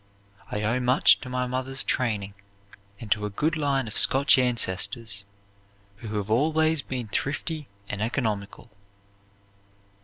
I owe much to my mother's training and to a good line of Scotch ancestors, who have always been thrifty and economical."